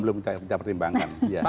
belum kita pertimbangkan